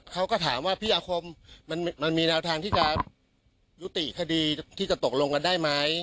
เขาก็ถามว่าพี่อาคมมันมีแนวทางที่จะยุติคดีที่จะตกลงกันได้ไหม